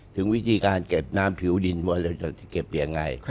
ถึงวิธีการเก็บน้ำผิวดินว่าเราจะเก็บยังไง